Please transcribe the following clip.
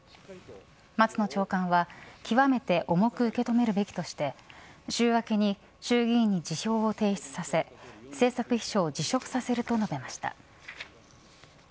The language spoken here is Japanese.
松野長官は極めて重く受け止めるべきとして週明けに衆議院に辞表を提出させ政策秘書を辞職すると述べました。